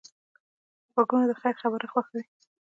غوږونه د خیر خبره خوښوي